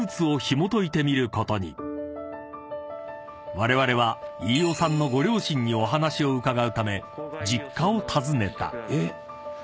［われわれは飯尾さんのご両親にお話を伺うため］